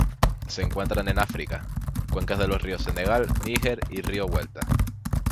Se encuentran en África: cuencas de los ríos Senegal, Níger y río Vuelta.